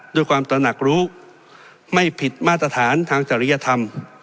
ตระหนักรู้ไม่ผิดมาตรฐานทางจริยธรรม